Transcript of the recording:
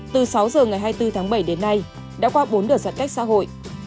từ sáu giờ ngày hai mươi bốn tháng bảy đến nay đã qua bốn đợt giãn cách xã hội